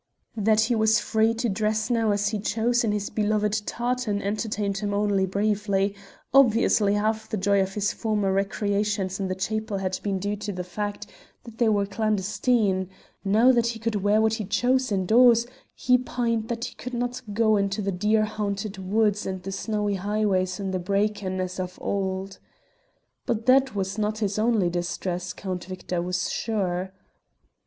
That he was free to dress now as he chose in his beloved tartan entertained him only briefly; obviously half the joy of his former recreations in the chapel had been due to the fact that they were clandestine; now that he could wear what he chose indoors, he pined that he could not go into the deer haunted woods and the snowy highways in the breacan as of old. But that was not his only distress, Count Victor was sure.